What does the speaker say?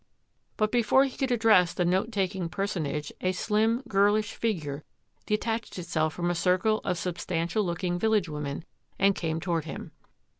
But before he could address the note taking per sonage a slim, girlish figure detached itself from a circle of substantial looking village women and came toward him.